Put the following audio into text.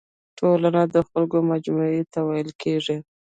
ټولنه د خلکو مجموعي ته ويل کيږي.